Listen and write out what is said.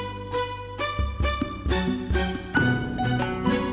iya aku mau ke cidahu